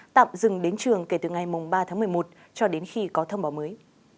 tạm dừng đến trường kể từ ngày ba tháng một mươi một cho đến khi có thông báo mới